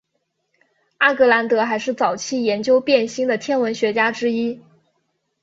阿格兰德还是早期研究变星的天文学家之一。